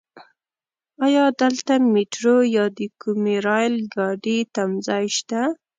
ايا دلته ميټرو يا د کومې رايل ګاډی تمځای شته؟